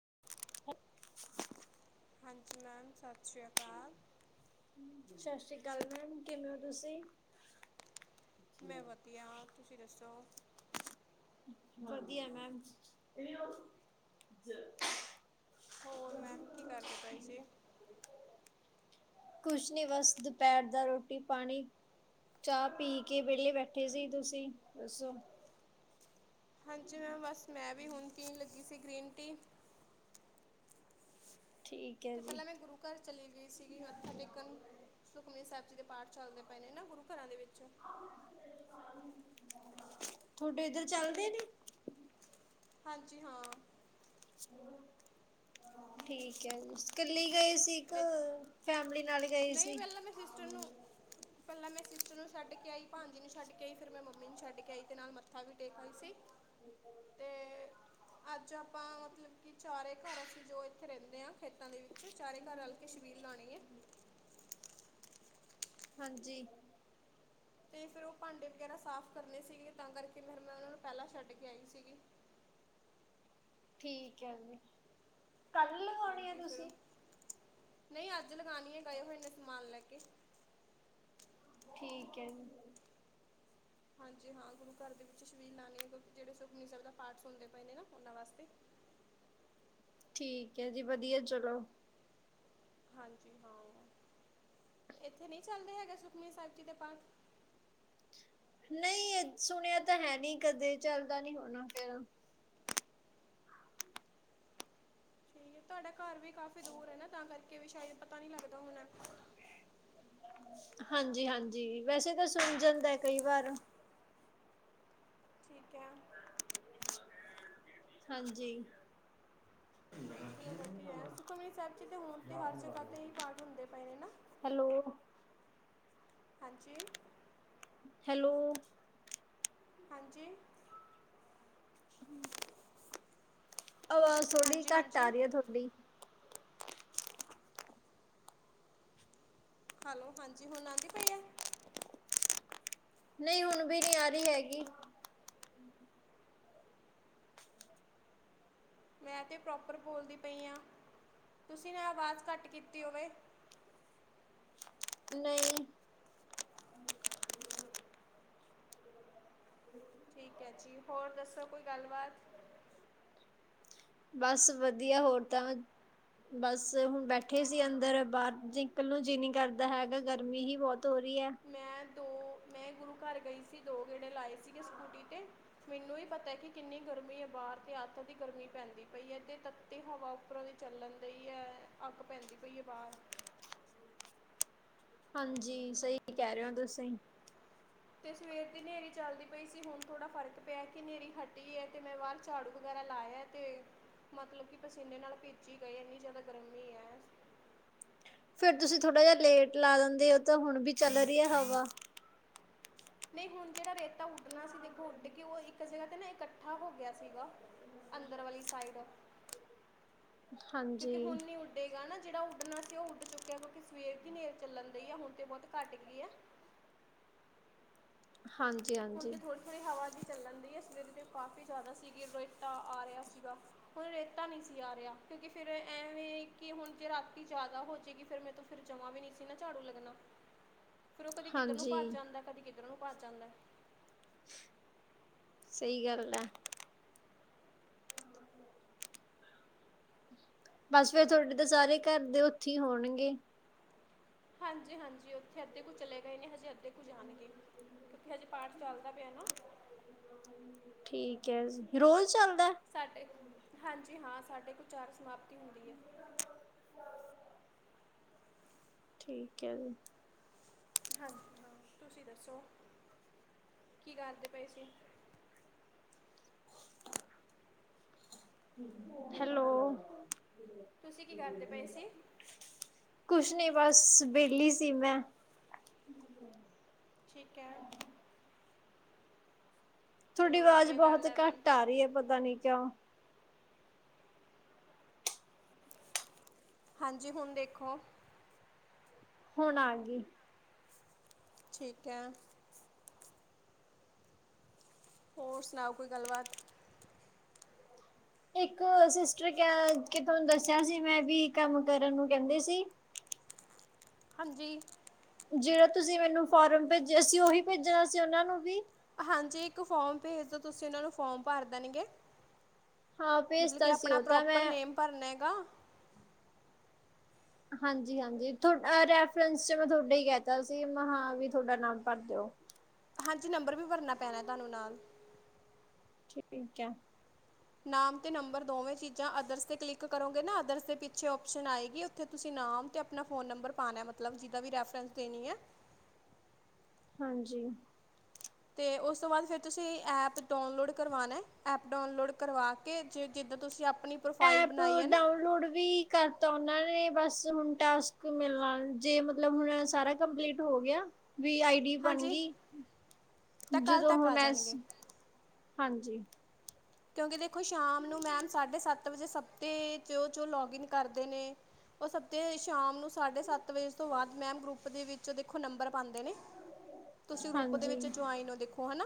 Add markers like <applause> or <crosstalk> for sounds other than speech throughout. <unintelligible> ਹਾਂਜੀ ਮੈਮ, ਸਤਿ ਸ਼੍ਰੀ ਅਕਾਲ। ਸ਼ਸ਼ ਸ਼੍ਰੀ ਕਾਲ ਮੈਮ। ਕਿਵੇਂ ਔ ਤੁਸੀਂ? ਮੈਂ ਵਧੀਆ। ਤੁਸੀ ਦੱਸੋ? ਵਧੀਆ ਮੈਮ। ਹੋਰ ਮੈਮ, ਕੀ ਕਰਦੇ ਪਏ ਸੀੇ? ਕੁਛ ਨੀ ਬਸ, ਦੁਪੈਰ ਦਾ ਰੋਟੀ-ਪਾਣੀ, ਚਾਅ ਪੀ ਕੇ, ਵੇਲੇ ਬੈਠੇ ਸੀ। ਤੁਸੀਂ, ਦੱਸੋ? ਹਾਂਜੀ, ਮੈਂ ਬਸ ਮੈਂ ਵੀ ਹੁਣ ਪੀਨ ਲ ਗੀ ਸੀ, ਗ੍ਰੀਨ ਟੀ। ਠੀਕ ਹੈ ਤੇ ਜੀ ਪੈਲਾਂ ਮੈਂ ਗੁਰੂ ਘਰ ਚਲੀ ਗਈ ਸੀਗੀ ਮੱਥਾ ਟੇਕਣ, ਸੁਖਮਨੀ ਸਾਹਿਬ ਜੀ ਦੇ ਪਾਠ ਚੱਲਦੇ ਪਏ ਨੇ ਨਾ, ਗੁਰੂ ਘਰਾਂ ਦੇ ਵਿੱਚ ਤੁਆਡੇ ਇੱਧਰ ਚੱਲਦੇ ਨੇ? ਹਾਂਜੀ ਹਾਂ। ਠੀਕ ਐ, ਓਸ ਕੱਲੀ ਗਏ ਸੀ ਇੱਕ, ਇੱਥੇ ਫੈਮਲੀ ਨਾਲ ਗਏ ਨਹੀਂ ਸੀ। ਪਹਿਲਾਂ ਮੈਂ ਸਿਸਟਰ ਨੂੰ ਪਹਿਲਾਂ ਮੈਂ ਸਿਸਟਰ ਨੂੰ ਛੱਡ ਕੇ ਆਈ ਭਾਂਜੀ ਨੂੰ ਛੱਡ ਕੇ ਆਈ, ਫਿਰ ਮੈਂ ਮੰਮੀ ਨੂੰ ਛੱਡ ਕੇ ਆਈ ਤੇ ਨਾਲ ਮੱਥਾ ਵੀ ਟੇਕ ਆਈ ਸੀ ਤੇ ਅੱਜ ਆ ਪਾਂ ਮਤਲਬ ਕਿ ਚਾਰੇ ਘਰ ਅਸੀ ਜੋ ਇੱਥੇ ਰਹਿੰਦੇ ਆਂ, ਖੇਤਾਂ ਦੇ ਵਿੱਚ ਚਾਰੇ ਤਾ ਰਲ ਕੇ ਸ਼ਬੀਲ ਲਾਣੀ ਏ। ਹਾਂਜੀ। ਤੇ ਫੇਿਰ ਉਹ ਭਾਂਡੇ ਵਗੈਰਾ ਸਾਫ਼ ਕਰਨੇ ਸੀਗੇ ਤਾਂ ਕਰਕੇ ਫਿਰ ਮੈਂ ਉਹਨਾਂ ਨੂੰ ਪਹਿਲਾਂ ਛੱਡ ਕੇ ਆਈ ਸੀਗੀ। ਠੀਕ ਐ ਵੀ। ਕਲ ਲਗਾਉਣੀ ਏ ਤੁਸੀ? ਨਈ ਅੱਜ ਲਗਾਣੀ ਏ, ਗਏ ਹੋਏ ਨੇ ਸਮਾਨ ਲੈ ਕੇ ਠੀਕ ਐ ਜੀ। ਹਾਂਜੀ ਹਾਂ, ਗੁਰੂ ਘਰ ਦੇ ਵਿੱਚ ਸ਼ਬੀਲ ਲਾਣੀ ਏ ਗੁਰ ਜੇੜੇ ਸੁਖਮਨੀ ਸੈਬ ਦਾ ਪਾਠ ਸੁਣਦੇ ਪਏ ਨੇ ਨਾ, ਉਹਨਾਂ ਵਾਸਤੇ। ਠੀਕ ਐ ਜੀ, ਵਧੀਐ ਚਲੋ। ਹਾਂਜੀ ਹਾਂ। ਇੱਥੇ ਨੀ ਚੱਲਦੇ ਹੈਗਾ ਸੁਖਮਨੀ ਸਾਹਿਬ ਜੀ ਦੇ ਪਾਠ? ਨਈ, ਐ ਸੁਣਿਆ ਤਾਂ ਹੈ ਨੀ ਕਦੇ, ਚੱਲਦਾ ਨੀ ਹੋਣਾ ਫਿਰ ਠੀਕ ਏ, ਤੁਆਡਾ ਘਰ ਵੀ ਕਾਫ਼ੀ ਦੂਰ ਐ ਨਾ ਤਾਂ ਕਰਕੇ ਵੀ ਸ਼ਾਇਦ ਪਤਾ ਨੀ ਲੱਗਦਾ ਹੋਨਾ। ਹਾਂਜੀ-ਹਾਂਜੀ ਵੈਸੇ ਤਾਂ ਸੁਣ ਜਾਂਦੈ ਕਈ ਵਾਰ। ਠੀਕ ਐ। ਹਾਂਜੀ। ਚਲੋ ਵਧੀਐ। ਸੁਖਮਨੀ ਸੈਬ ਜੀ ਦੇ ਹੁਣ ਤੇ ਹਰ ਜਗ੍ਹਾ ਤੇ ਹੀ ਪਾਠ ਹੁੰਦੇ ਪਏ ਨੇ ਨਾ? ਹੈਲੋ। ਹਾਂਜੀ। ਹੈਲੋ। ਹਾਂਜੀ। ਆਵਾਜ਼ ਥੋੜ੍ਹੀ ਹਾਂਜੀ ਘੱਟ ਆ ਹਾਂਜੀ ਰੀ ਐ ਤੁਆਡੀ। ਹੈਲੋ, ਹਾਂਜੀ ਹੁਣ ਆਂਦੀ ਪਈ ਐ। ਨਹੀਂ ਹੁਣ ਵੀ ਨਹੀਂ ਆ ਰਹੀ ਹੈਗੀ। ਮੈਂ ਤੇ ਪ੍ਰੋਪਰ ਬੋਲਦੀ ਪਈ ਹਾਂ, ਤੁਸੀਂ ਨਾ ਆਵਾਜ਼ ਘੱਟ ਕੀਤੀ ਹੋਵੇ। ਨਹੀਂ। ਠੀਕ ਹੈ ਜੀ, ਹੋਰ ਦੱਸੋ ਕੋਈ ਗੱਲ ਬਾਾਤ। ਬਸ ਵਧੀਆ ਹੋਰ ਤਾਂ, ਬਸ ਹੁਣ ਬੈਠੇ ਸੀ ਅੰਦਰ, ਬਾਹਰ ਨਿਕਲਣ ਨੂੰ ਜੀ ਨੀ ਕਰਦਾ ਹੈਗਾ, ਗਰਮੀ ਹੀ ਬਹੁਤ ਹੋ ਰਹੀ ਹੈ। ਮੈਂ ਦੋ ਮੈਂ ਗੁਰੂ ਘਰ ਗਈ ਸੀ, ਦੋ ਗੇੜੇ ਲਾਏ ਸੀਗੇ ਸਕੂਟਰੀ ਤੇ, ਮੈਨੂੰ ਹੀ ਪਤਾ ਕਿ ਕਿੰਨੀ ਗਰਮੀ ਹੈ ਬਾਹਰ, ਤੇ ਅਤ ਦੀ ਗਰਮੀ ਪੈਂਦੀ ਪਈ ਏ, ਤੇ ਤੱਤੀ ਹਵਾ ਉੱਪਰੋਂ ਦੇ ਚੱਲਣ ਡਹੀ ਏ, ਅੱਗ ਪੈਂਦੀ ਪਈ ਏ ਬਾਹਰ। ਹਾਂਜੀ, ਸਹੀ ਕਹਿ ਰਹੇ ਹੋ ਤੁਸੀਂ। ਤੇ ਸਵੇਰ ਦੀ ਹਨੇਰੀ ਚੱਲਦੀ ਪਈ ਸੀ, ਹੁਣ ਥੋੜ੍ਹਾ ਫ਼ਰਕ ਪਿਆ ਕਿ ਹਨੇਰੀ ਹਟੀ ਹੈ ਤੇ ਮੈਂ ਬਾਹਰ ਝਾੜੂ ਵਗੈਰਾ ਲਾਇਆ, ਤੇ ਮਤਲਬ ਕਿ ਪਸੀਨੇ ਨਾਲ ਭਿੱਜ ਗਏ ਇੰਨੀ ਜ਼ਿਆਦਾ ਗਰਮੀ ਏ। ਫਿਰ ਤੁਸੀਂ ਥੋੜਾ ਜਿਹਾ ਲੇਟ ਲਾ ਦਿੰਦੇ, ਤਾਂ ਹੁਣ ਵੀ ਚੱਲ ਰਹੀ ਏ ਹਵਾ। ਨਹੀਂ ਹੁਣ ਜਿਹੜਾ ਰੇਤਾ ਉੱਡਣਾ ਸੀ ਦੇਖੋ, ਉੱਡ ਕੇ ਉਹ ਇੱਕ ਜਗ੍ਹਾ ਤੇ ਨਾ ਇਕੱਠਾ ਹੋ ਗਿਆ ਸੀਗਾ, ਅੰਦਰ ਵਾਲੀ ਸਾਈਡ। ਕਿਉਂਕਿ ਹਾਂਜੀ, ਹੁਣ ਨੀ ਉੱਡੇਗਾ ਨਾ। ਜਿਹੜਾ ਉੱਡਣਾ ਸੀ, ਉਹ ਉੱਡ ਚੁੱਕਿਆ ਕਿਉਂਕਿ ਸਵੇਰ ਕੀ ਨੇਰ ਚੱਲਣ ਡਈ ਆ ਹੁਣ ਤੇ ਬਹੁਤ ਘੱਟ ਗਈ ਆ। ਹਾਂਜੀ, ਹੁਣ ਹਾਂਜੀ, ਥੋੜੀ ਥੋੜ੍ਹੀ ਹਵਾ ਦੀ ਚੱਲਣ ਡਹੀ ਆ, ਸਵੇਰੇ ਤੇ ਕਾਫੀ ਜ਼ਿਆਦਾ ਸੀਗੀ ਰੋਤਾ ਆ ਰਿਹਾ ਸੀਗਾ, ਹੁਣ ਰੇਤਾ ਨਹੀਂ ਸੀ ਆ ਰਿਹਾ ਕਿਉਂਕਿ ਫਿਰ ਐਵੇਂ ਕਿ ਹੁਣ ਜੇ ਰਾਤੀ ਜ਼ਿਆਦਾ ਹੋ ਜਾਏਗੀ, ਫਿਰ ਮੈਰੇ ਤੋ ਫਿਰ ਜਮਾਂ ਵੀ ਨਹੀਂ ਸੀ ਨਾ ਝਾੜੂ ਲੱਗਣਾ। ਫੇਰ ਉਹ ਕਦੀ ਕਿੱਧਰ ਨੂੰ ਭੱਜ ਹਾਂਜੀ। ਜਾਂਦਾ, ਕਦੀ ਕਿੱਧਰ ਕਿੱਧਰੋਂ ਨੂੰ ਭੱਜ ਜਾਂਦਾ। ਸਹੀ ਗੱਲ ਆ। ਬਸ ਫੇਰ ਤੁਹਾਡੇ ਤਾਂ ਸਾਰੇ ਘਰ ਦੇ ਉੱਥੇ ਹੀ ਹੋਣਗੇ। ਹਾਂਜੀ ਹਾਂਜੀ, ਉੱਥੇ ਅੱਧੇ ਕੁ ਚਲੇ ਗਏ ਨੇ, ਹਜੇ ਅੱਧੇ ਕੁ ਜਾਣਗੇ। ਕਿਉਕਿ ਹਜੇ ਪਾਠ ਚੱਲਦਾ ਪਿਆ ਨਾ। ਠੀਕ ਰੋਜ਼ ਚੱਲ ਤਿੰਨ ਚਾਰ ਸਮਾਪਤੀ ਹੁੰਦੀ ਹੈ। <unintelligible> ਠੀਕ ਹੈ ਜੀ। ਹਾਂਜੀ ਹਾਂ ਤੁਸੀਂ ਦੱਸੋ ਕੀ ਕਰਦੇ ਪਏ ਸੀ ਹੈਲੋ। ਤੁਸੀਂ ਕੀ ਕਰਦੇ ਪਏ ਸੀ। ਕੁਛ ਨੀ ਬਸ ਵਿਹਲੀ ਸੀ ਮੈਂ। ਠੀਕ ਹੈ। ਤੁਹਾਡੀ ਚਲੋ ਆਵਾਜ਼ ਵਧੀਆ ਬਹੁਤ ਗੱਲ ਹੈ ਮੈਮ ਘੱਟ ਆ ਰਹੀ ਹੈ, ਪਤਾ ਨੀ ਕਿਉਂ। ਹਾਂਜੀ, ਹੁਣ ਦੇਖੋ। ਹੁਣ ਆ ਗਈ। ਠੀਕ ਹੈ। ਹੋਰ ਸੁਣਾਉ, ਕੋਈ ਗੱਲਬਾਤ। ਇੱਕ ਸਿਸਟਰ ਕ ਕੇ ਤੁਹਾਨੂੰ ਦੱਸਿਆ ਸੀ ਮੈਂ ਵੀ ਕੰਮ ਕਰਨ ਨੂੰ ਕਹਿੰਦੇ ਸੀ। ਹਾਂਜੀ। ਜਿਹੜਾ ਤੁਸੀਂ ਮੈਨੂੰ ਫੋਰਮ ਭੇਜਿਆ ਸੀ, ਉਹੀ ਭੇਜਣਾ ਸੀ ਉਹਨਾਂ ਨੂੰ ਵੀ। ਹਾਂਜੀ, ਇੱਕ ਫੋਮ ਭੇਜ ਦੋ ਤੁਸੀਂ ਇਹਨਾਂ ਨੂੰ ਫੋਮ ਭਰ ਦੇਣਗੇ। ਹਾਂ ਮਤਲਬ ਕੀ ਭੇਜਤਾ ਸੀ ਆਪਣਾ ਉਹ ਤਾਂ ਪ੍ਰੋਪਰ ਮੈਂ ਨੇਮ ਭਰਨਾ ਹੈਗਾ। ਹਾਂਜੀ ਹਾਂਜੀ, ਰੈਫਰੈਂਸ ਚ ਮੈਂ ਤੁਹਾਡੇ ਹੀ ਕਹਿਤਾ ਸੀ ਮੈਂ, ਹਾਂ ਵੀ ਤੁਹਾਡਾ ਨਾਮ ਭਰ ਦਿਉ। ਹਾਂਜੀ, ਨੰਬਰ ਵੀ ਭਰਨਾ ਪੈਣਾ ਤੁਹਾਨੂੰ ਨਾਲ। ਠੀਕ ਹੈ। ਨਾਮ ਤੇ ਨੰਬਰ ਦੋਵੇ ਚੀਜ਼ਾਂ ਅਦਰਸ ਤੇ ਕਲਿਕ ਕਰੋਗੇ ਨਾ ਅਦਰਸ ਦੇ ਪਿੱਛੇ ਓਪਸ਼ਨ ਆਏਗੀ, ਉਥੇ ਤੁਸੀਂ ਨਾਮ ਤੇ ਆਪਣਾ ਫੋਨ ਨੰਬਰ ਪਾਣਾ ਮਤਲਬ ਜੇਦਾ ਵੀ ਰੈਫਰੈਂਸ ਦੇਣੀ ਏ। ਹਾਂਜੀ। ਤੇ ਉਸ ਤੋਂ ਬਾਅਦ ਫਿਰ ਤੁਸੀਂ ਐਪ ਡਾਊਨਲੋਡ ਕਰਵਾਣਾ ਐਪ ਡਾਊਨਲੋਡ ਕਰਵਾ ਕੇ ਜੇ ਜਿੱਦਾਂ ਤੁਸੀਂ ਆਪਣੀ ਪ੍ਰੋਫਾਈਲ ਐਪ ਬਣਾਈ ਹੈ ਨਾ ਡਾਊਨਲੋਡ ਵੀ ਕਰਤਾ ਉਹਨਾਂ ਨੇ ਬਸ ਬਸ ਹੁਣ ਟਾਸਕ ਮਿਲਵਾਣ ਜੇ ਮਤਲਬ ਹੁਣ ਸਾਰਾ ਕੰਪਲੀਟ ਹੋ ਗਿਆ। ਵੀ ਆਈ ਡੀ ਬਣ ਹਾਂਜੀ ਗਈ ਤਾਂ ਕੱਲ੍ਹ ਜਦੋਂ ਤੱਕ ਆ ਹੁਣ ਏਸ ਜਾਣਗੇ ਹਾਂਜੀ। ਕਿਉਂਕਿ ਦੇਖੋ ਸ਼ਾਮ ਨੂੰ ਮੈਮ ਸਾਡੇ ਸੱਤ ਵਜੇ ਸਬਤੇ ਜੋ ਜੋ ਲੌਗਇਨ ਕਰਦੇ ਨੇ ਉਹ ਸਬਤੇ ਸ਼ਾਮ ਨੂੰ ਸਾਡੇ ਸੱਤ ਵਜੇ ਤੋਂ ਬਾਅਦ ਮੈਮ ਗਰੁੱਪ ਦੇ ਵਿੱਚ ਦੇਖੋ ਨੰਬਰ ਪਾਂਦੇ ਨੇ। ਤੁਸੀਂ ਗਰੁੱਪ ਦੇ ਹਾਂਜੀ ਵਿੱਚ ਜਵਾਉਣ ਹੋ ਦੇਖੋ ਹੈਨਾ।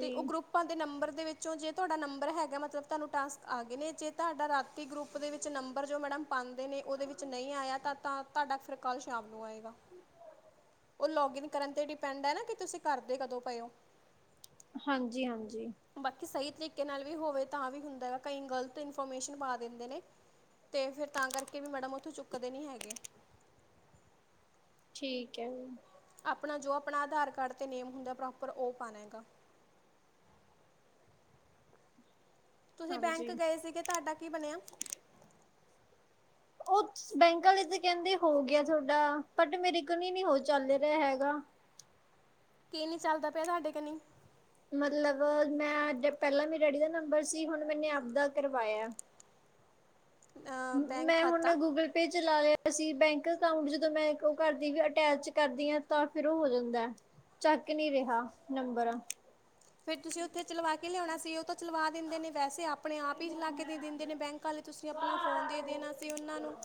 ਤੇ ਉਹ ਗਰੁੱਪਾਂ ਦੇ ਨੰਬਰ ਚੋਂ ਜੇ ਤੁਹਾਡਾ ਨੰਬਰ ਹੈਗਾ ਮਤਲਬ ਤੁਹਾਨੂੰ ਟਾਸਕ ਆ ਗਏ ਨੇ ਜੇ ਤੁਹਾਡਾ ਰਾਤੀ ਗਰੁੱਪ ਦੇ ਵਿੱਚ ਨੰਬਰ ਜੋ ਮੈਡਮ ਪਾਂਦੇ ਨੇ ਉਹਦੇ ਵਿੱਚ ਨਹੀਂ ਆਇਆ ਤਾਂ ਤਾਂ ਤੁਹਾਡਾ ਫਿਰ ਕਲ ਸ਼ਾਮ ਨੂੰ ਆਏਗਾ ਉਹ ਲੌਗਇਨ ਕਰਨ ਤੇ ਡਿਪੈਂਡ ਹੈ ਨਾ ਕਿ ਤੁਸੀਂ ਕਰਦੇ ਕਦੋਂ ਪਏ ਓ? ਹਾਂਜੀ ਹਾਂਜੀ। ਸਹੀ ਤਰੀਕੇ ਨਾਲ ਵੀ ਹੋਵੇ ਤਾਂ ਵੀ ਹੁੰਦਾ ਹੈ ਕਈ ਗਲਤ ਇਨਫੋਰਮੇਸ਼ਨ ਪਾ ਦਿੰਦੇ ਨੇ ਤੇ ਫਿਰ ਤਾਂ ਕਰਕੇ ਵੀ ਮੈਡਮ ਓਥੋਂ ਚੁੱਕਦੇ ਨੀ ਹੈਗੇ। ਠੀਕ ਹੈ। ਆਪਣਾ ਜੋ ਆਪਣਾ ਆਧਾਰ ਕਾਰਡ ਤੇ ਨੇਮ ਹੁੰਦਾ ਪ੍ਰੋਪਰ ਉਹ ਪਾਣਾ ਐਗਾ। ਤੁਸੀਂ ਬੈਂਕ ਹਾਂਜੀ ਗਏ ਸੀਗੇ ਤੁਹਾਡਾ ਕੀ ਬਣਿਆ? ਉਹ ਬੈਂਕ ਆਲੇ ਤੇ ਕਹਿੰਦੇ ਹੋ ਗਿਆ ਤੁਹਾਡਾ ਬਟ ਮੇਰੇ ਕੰਨੀ ਨੀ ਹੋ ਚੱਲ ਰਿਹਾ ਹੈਗਾ। ਕੀ ਨਹੀਂ ਚੱਲਦਾ ਪਿਆ ਤੁਹਾਡੇ ਕਿਨੀ? ਮਤਲਬ ਮੈਂ ਪਹਿਲਾਂ ਮੇਰੀ ਡੈਡੀ ਦਾ ਨੰਬਰ ਸੀ ਹੁਣ ਮੈਨੇ ਆਪਦਾ ਕਰਵਾਇਆ। ਬੈਂਕ ਮੈਂ ਹੁਣ ਖਾਤਾ ਗੂਗਲ ਪੇ ਚਲਾ ਲਿਆ ਸੀ ਅਸੀ ਬੈਂਕ ਅਕਾਊਂਟ ਜਦੋਂ ਮੈਂ ਉਹ ਕਰਦੀ ਅਟੈਚ ਕਰਦੀ ਆ ਤਾਂ ਫਿਰ ਹੋ ਜਾਂਦਾ ਚੱਕ ਨੀ ਰਿਹਾ ਨੰਬਰ। ਫੇਰ ਤੁਸੀਂ ਉੱਥੇ ਚਲਵਾ ਕੇ ਲਿਆਉਣਾ ਸੀ। ਤੇ ਉਹ ਤਾਂ ਚਲਵਾ ਦਿੰਦੇ ਨੇ ਵੈਸੇ ਆਪ ਆਪਣੇ ਆਪ ਹੀ ਚਲਾ ਕੇ ਦੇ ਦਿੰਦੇ ਨੇ ਬੈਂਕ ਆਲੇ ਤੁਸੀਂ ਆਪਣਾ ਫੋਨ ਦੇ ਦੇਣਾ ਸੀ ਉਹਨਾਂ ਨੂੰ।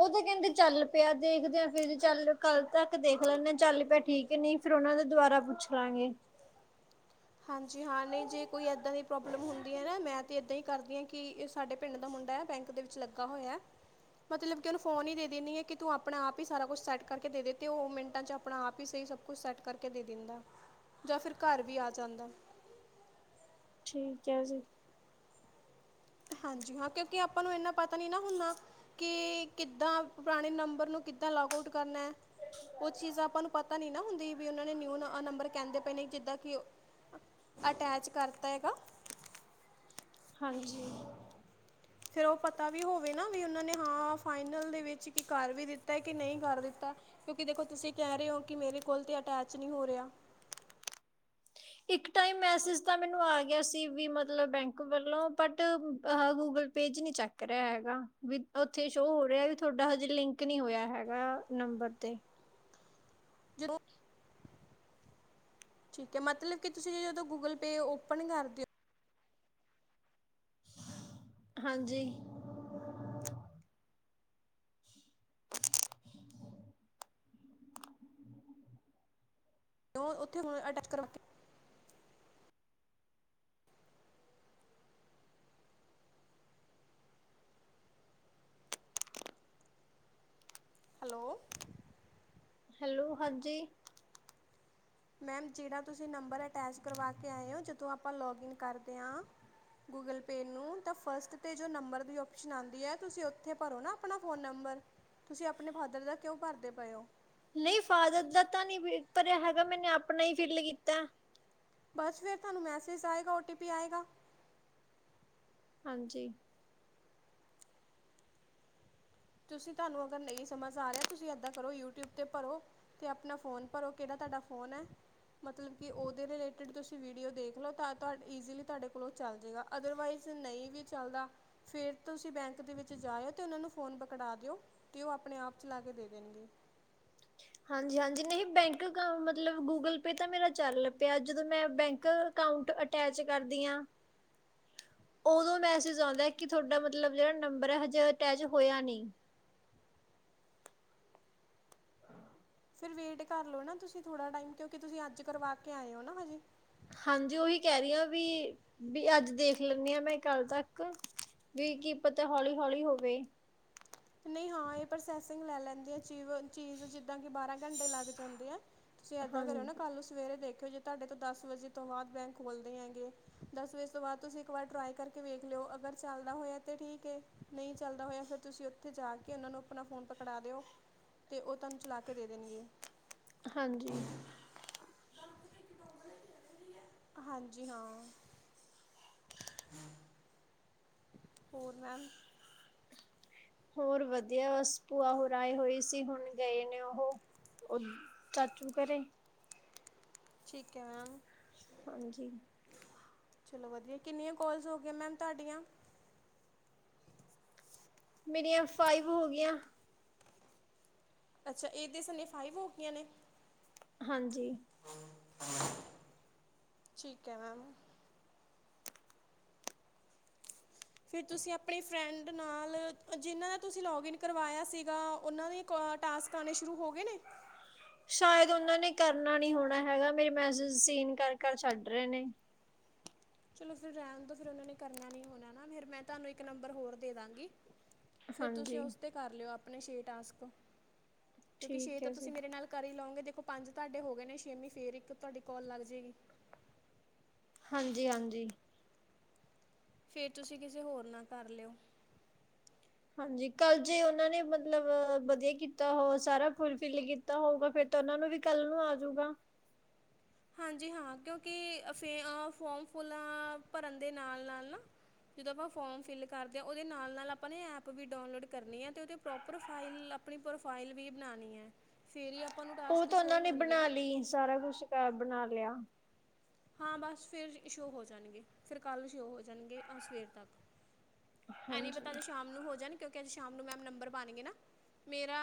ਉਹ ਤੇ ਕਹਿੰਦੇ ਚੱਲ ਪਿਆ ਦੇਖਦੇ ਆ ਫੇਰ ਚੱਲ ਕੱਲ ਤੱਕ ਦੇਖ ਲੈਂਨੇ ਚੱਲ ਪਿਆ ਠੀਕ ਹੈ ਨਹੀਂ ਫੇਰ ਉਹਨਾਂ ਦੇ ਦੁਬਾਰਾ ਪੁੱਛ ਲਾਂਗੇ। ਹਾਂਜੀ ਹਾਂ ਨਹੀਂ ਜੇ ਕੋਈ ਇੱਦਾਂ ਦੀ ਪ੍ਰੋਬਲਮ ਹੁੰਦੀ ਹੈ ਨਾ ਮੈਂ ਤਾਂ ਇੱਦਾਂ ਹੀ ਕਰਦੀ ਹਾਂ ਕਿ ਇਹ ਸਾਡੇ ਪਿੰਡ ਦਾ ਮੁੰਡਾ ਹੈ ਬੈਂਕ ਦੇ ਵਿੱਚ ਲੱਗਾ ਹੋਇਆ ਮਤਲਬ ਕਿ ਉਹਨੂੰ ਫੋਨ ਹੀ ਦੇ ਦਿੰਨੀ ਆ ਕਿ ਤੂੰ ਆਪਣਾ ਆਪ ਹੀ ਸਾਰਾ ਕੁਛ ਸੈਟ ਕਰਕੇ ਦੇ ਦੇ ਤੇ ਉਹ ਮਿੰਟਾਂ ਚ ਆਪਣਾ ਆਪ ਹੀ ਸਹੀ ਸਭ ਕੁਛ ਸੈਟ ਕਰਕੇ ਦੇ ਦਿੰਦਾ ਜਾਂ ਫਿਰ ਘਰ ਵੀ ਆ ਜਾਂਦਾ। ਠੀਕ ਹੈ ਜੀ। ਹਾਂਜੀ ਹਾਂ ਕਿਉਂਕਿ ਆਪਾਂ ਨੂੰ ਇੰਨਾ ਪਤਾ ਨੀ ਨਾ ਹੁੰਨਾ ਕਿ ਕਿਦਾਂ ਪੁਰਾਣੇ ਨੰਬਰ ਨੂੰ ਕਿਦਾਂ ਲੌਗ ਆਊਟ ਕਰਨਾ। ਉਹ ਚੀਜ਼ ਆਪਾਂ ਨੂੰ ਪਤਾ ਨੀ ਨਾ ਹੁੰਦੀ। ਵੀ ਉਹਨਾਂ ਨੇ ਨਿਊ ਨੰਬਰ ਕਹਿੰਦੇ ਪਏ ਨੇ ਜਿੱਦਾਂ ਕਿ ਉਹ ਅਟੈਚ ਕਰਤਾ ਹੈਗਾ। ਹਾਂਜੀ। ਫਿਰ ਉਹ ਪਤਾ ਵੀ ਹੋਵੇ ਨਾ ਵੀ ਉਹਨਾਂ ਨੇ ਹਾਂ ਫਾਈਨਲ ਦੇ ਵਿੱਚ ਕੀ ਕਰ ਵੀ ਦਿੱਤਾ ਕਿ ਨਹੀਂ ਕਰ ਦਿੱਤਾ ਕਿਉਂਕਿ ਦੇਖੋ ਤੁਸੀਂ ਕਹਿ ਰਹੇ ਹੋ ਕਿ ਮੇਰੇ ਕੋਲ ਤੇ ਅਟੈਚ ਨਹੀਂ ਹੋ ਰਿਹਾ। ਇੱਕ ਟਾਈਮ ਮੈਸੇਜ ਤਾ ਮੈਨੂੰ ਆ ਗਿਆ ਸੀ ਵੀ ਮਤਲਬ ਬੈਂਕ ਵਲੋਂ ਬਟ ਗੂਗਲ ਪੇ ਚ ਨੀ ਚੱਕ ਰਿਹਾ ਹੈਗਾ ਓਥੇ ਸ਼ੋ ਹੋ ਰਿਹਾ ਤੁਹਾਡਾ ਹਜੇ ਲਿੰਕ ਨੀ ਹੋਇਆ ਹੈਗਾ ਨੰਬਰ ਤੇ। ਜਦੋਂ ਠੀਕ ਹੈ ਮਤਲਬ ਕਿ ਤੁਸੀਂ ਜਦੋਂ ਗੂਗਲ ਪੇ ਓਪਨ ਕਰਦੇਓ। ਹਾਂਜੀ। ਕਰਦੇ ਹੋ ਉੱਥੇ ਹੁਣ ਅਟੈਚ ਕਰਵਾ ਕੇ। ਹੈਲੋ ਹੈਲੋ ਹਾਂਜੀ ਮੈਮ ਜਿਹੜਾ ਤੁਸੀਂ ਨੰਬਰ ਅਟੈਚ ਕਰਵਾ ਕੇ ਆਏ ਓਂ ਜਦੋਂ ਆਪਾਂ ਲਾਗਿਨ ਕਰਦੇ ਹਾਂ ਗੂਗਲ ਪੇ ਨੂੰ ਤਾਂ ਫਸਟ ਤੇ ਜੋ ਨੰਬਰ ਦੀ ਔਪਸ਼ਨ ਆਂਦੀ ਆ ਤੁਸੀਂ ਓਥੇ ਭਰੋ ਨਾ ਆਪਣਾ ਫੋਨ ਨੰਬਰ ਤੁਸੀਂ ਆਪਣੇ ਫਾਦਰ ਦਾ ਕਿਉਂ ਭਰਦੇ ਪਏ ਓਂ ਨਹੀਂ ਫਾਦਰ ਦਾ ਤਾਂ ਨੀ ਬਿ ਭਰਿਆ ਹੈਗਾ ਮੈਨੇ ਆਪਣਾ ਹੀ ਫਿਲ ਕੀਤੈ ਬਸ ਫਿਰ ਤੁਹਾਨੂੰ ਮੈਸੇਜ ਆਏਗਾ ਓਟੀ ਪੀ ਆਏਗਾ ਹਾਂਜੀ ਤੁਸੀਂ ਤੁਹਾਨੂੰ ਅਗਰ ਨਹੀਂ ਸਮਝ ਆ ਰਿਹਾ ਤੁਸੀਂ ਏਦਾਂ ਕਰੋ ਯੂਟਿਊਬ ਤੇ ਭਰੋ ਤੇ ਆਪਣਾ ਫੋਨ ਭਰੋ ਕਿੜਾ ਤੁਹਾਡਾ ਫੋਨ ਹੈ ਮਤਲਬ ਕਿ ਉਹਦੇ ਰਿਲੇਟਿਡ ਤੁਸੀਂ ਵੀਡੀਓ ਦੇਖ ਲਓ ਤਾਂ ਤੁਹਾ ਇਜ਼ੀਲੀ ਤੁਹਾਡੇ ਕੋਲੋਂ ਚੱਲ ਜੇਗਾ ਅਦਰਵਾਈਜ਼ ਨਹੀਂ ਵੀ ਚੱਲਦਾ ਫਿਰ ਤੁਸੀਂ ਬੈਂਕ ਦੇ ਵਿੱਚ ਜਾਇਓ ਤੇ ਉਹਨਾਂ ਨੂੰ ਫੋਨ ਕਟਾ ਦਿਓ ਅਤੇ ਉਹ ਆਪਣੇ ਆਪ ਚਲਾ ਕੇ ਦੇ ਦੇਣਗੇ ਹਾਂਜੀ ਹਾਂਜੀ ਨਹੀਂ ਬੈਂਕ ਅਕਾਊ ਮਤਲਬ ਗੂਗਲ ਪੇ ਤ ਮੇਰਾ ਚਲ ਪਿਆ ਜਦੋ ਮੈਂ ਬੈਂਕ ਅਕਾਊਂਂਟ ਅਟੈਚ ਕਰਦੀ ਆ ਓਦੋ ਮੈਸਜ ਆਂਦਾ ਕੀ ਤੁਹਾਡਾ ਮਤਲਬ ਜੇੜਾ ਨੰਬਰ ਐ ਹਜੇ ਅਟੀਚ ਹੋਯਾ ਨੀ ਫਿਰ ਵੇਟ ਕਰ ਲਓ ਨਾ ਤੁਸੀਂ ਥੋੜਾ ਟਾਈਮ ਕਿਉਂਕਿ ਤੁਸੀਂ ਅੱਜ ਕਰਵਾ ਕੇ ਆਏ ਹੋ ਨਾ ਹਜੇ ਹਾਂਜੀ ਉਹੀ ਕਹਿ ਰਹੀ ਹਾਂ ਵੀ ਵੀ ਅੱਜ ਦੇਖ ਲੈਂਦੀ ਹਾਂ ਮੈਂ ਕੱਲ ਤੱਕ ਵੀ ਕੀ ਪਤਾ ਹੌਲੀ ਹੌਲੀ ਹੋਵੇ ਨਹੀਂ ਹਾਂ ਇਹ ਪ੍ਰੋਸੈਸਿੰਗ ਲੈ ਲੈਂਦੀ ਆ ਚੀਵ ਚੀਜ਼ ਜਿੱਦਾਂ ਕਿ ਬਾਰਾਂ ਕੰਡੇ ਲੱਗ ਜਾਂਦੇ ਆ ਤੁਸੀਂ ਏਦਾਂ ਹਾਂ ਕਰੋ ਨਾ ਕੱਲ੍ਹ ਸਵੇਰੇ ਦੇਖ ਦੇਖਿਓ ਜੀ ਤੁਹਾਡੇ ਤੋਂ ਦਸ ਵਜੇ ਤੋਂ ਬਾਅਦ ਬੈਂਕ ਖੋਲਦੇ ਹੈਗੇ ਦਸ ਵਜੇ ਤੋਂ ਬਾਅਦ ਤੁਸੀਂ ਇੱਕ ਵਾਰ ਟਰਾਈ ਕਰਕੇ ਵੇਖ ਲਿਓ ਅਗਰ ਚੱਲਦਾ ਹੋਇਆ ਤਾਂ ਠੀਕ ਹੈਏ ਨਹੀਂ ਚੱਲਦਾ ਹੋਇਆ ਫਿਰ ਤੁਸੀਂ ਉੱਥੇ ਜਾ ਕੇ ਉਹਨਾਂ ਨੂੰ ਆਪਣਾ ਫੋਨ ਪਕੜਾ ਦਿਓ ਤੇ ਉਹ ਤੁਹਾਨੂੰ ਚਲਾ ਕੇ ਦੇ ਦੇਣਗੇ ਹਾਂਜੀ ਹਾਂਜੀ ਹਾਂ <unintelligible> ਹੋਰ ਮੈਮ ਹੋਰ ਵਧੀਆ ਬਸ ਭੂਆ ਹੋਰ ਆਏ ਹੋਏ ਸੀ ਹੁਣ ਗਏ ਨੇ ਉਹ ਉ ਚਾਚੂ ਘਰੇ ਠੀਕ ਹੈ ਮੈਮ ਹਾਂਜੀ ਚਲੋ ਵਧੀਆ ਕਿੰਨੀਆਂ ਕੌਲਜ਼ ਹੋ ਗੀਆਂ ਮੈਮ ਤੁਹਾਡੀਆਂ ਮੇਰੀਆਂ ਫਾਈਵ ਹੋ ਗੀਆਂ ਅੱਛਾ ਇਹਦੇ ਸਨੇ ਫਾਈਵ ਹੋ ਗੀਆਂ ਨੇ ਹਾਂਜੀ ਠੀਕ ਹੈ ਮੈਮ ਫਿਰ ਤੁਸੀਂ ਆਪਣੀ ਫਰੈਂਡ ਨਾਲ ਜਿਨਾਂ ਦਾ ਤੁਸੀਂ ਲੌਗਇਨ ਕਰਵਾਇਆ ਸੀਗਾ ਉਹਨਾਂ ਦੇ ਕਾ ਟਾਸਕ ਆਉਣੇ ਸ਼ੁਰੂ ਹੋ ਗਏ ਨੇ ਸ਼ਾਇਦ ਉਹਨਾਂ ਨੇ ਕਰਨਾ ਨੀ ਹੋਣਾ ਹੈਗਾ ਮੇਰੇ ਮੈਸੇਜ ਸੀਨ ਕਰ ਕਰ ਛੱਡ ਰਹੇ ਨੇ ਚਲੋ ਫਿਰ ਰਹਿਣ ਦੋ ਫਿਰ ਉਹਨਾ ਨੇ ਕਰਨਾ ਨੀ ਹੋਣਾ ਨਾ ਫਿਰ ਮੈਂ ਤੁਹਾਨੂੰ ਇੱਕ ਨੰਬਰ ਹੋਰ ਦੇ ਦਾਂਗੀ ਫੇਰ ਤੁਸੀਂ ਹਾਂਜੀ ਉਸ ਤੇ ਕਰ ਲਿਓ ਆਪ ਆਪਣੇ ਛੇ ਟਾਸਕ ਕਿਉਂਕਿ ਛੇ ਠੀਕ ਤਾਂ ਹੈ ਜੀ ਤੁਸੀਂ ਮੇਰੇ ਨਾਲ ਕਰ ਹੀ ਲਓਂਗੇ ਤ ਦੇਖੋ ਪੰਜ ਤੁਹਾਡੇ ਹੋ ਗਏ ਨੇ ਛੇਵੀਂ ਫੇਰ ਇੱਕ ਤੁਹਾਡੀ ਕੌਲ ਲੱਗ ਜੇਗੀ ਹਾਂਜੀ ਹਾਂਜੀ ਫੇਰ ਤੁਸੀਂ ਕਿਸੇ ਹੋਰ ਨਾਲ ਕਰ ਲਿਓ ਹਾਂਜੀ ਕੱਲ ਜੇ ਉਹਨਾਂ ਨੇ ਮਤਲਬ ਵਧੀਆ ਕੀਤਾ ਹੋ ਸਾਰਾ ਫੁਲ ਫਿਲ ਕੀਤਾ ਹੋਊਗਾ ਫਿਰ ਤਾਂ ਉਹਨਾਂ ਨੂੰ ਵੀ ਕੱਲ ਨੂੰ ਆਜੂਗਾ ਹਾਂਜੀ ਹਾਂ ਕਿਉਂਕਿ ਫੇ ਫੋਮ ਫੁਲ ਭਰਨ ਦੇ ਨਾਲ ਨਾਲ ਨਾ ਜਦੋਂ ਫੋਮ ਫਿਲ ਕਰਦੇ ਆ ਓਦੇ ਨਾਲ ਨਾਲ ਆਪਾ ਐਪ ਵੀ ਡਾਉਨਲੋਡ ਕਰਨੀ ਐ ਅਤੇ ਪ੍ਰੋਪਰ ਪ੍ਰੋਫਾਈਲ ਆਪਣੀ ਪ੍ਰੋਫ਼ਾਈਲ ਵੀ ਬਣਾਣੀ ਆ ਫੇਰ ਹੀ ਆਪਾ ਉਹ ਤਾਂ ਉਹਨਾਂ ਨੇ ਬਣਾ ਲਈ ਸਾਰਾ ਕੁਛ ਕਰ ਬਣਾ ਲਿਆ ਲਿਆ ਹਾਂ ਬਸ ਫਿਰ ਸ਼ੋਅ ਹੋ ਜਾਣਗੇ ਫਿਰ ਕੱਲ੍ਹ ਸ਼ੋਅ ਹੋ ਜਾਣਗੇ ਆ ਸਵੇਰ ਤੱਕ ਐ ਨੀ ਹਾਂਜੀ ਪਤਾ ਸ਼ਾਮ ਨੂੰ ਹੋ ਜਾਣ ਕਿਉਂਕ ਸ਼ਾਮ ਨੂੰ ਮੈ ਨੰਬਰ ਪਾਣਗੇ ਨਾ ਮੇਰਾ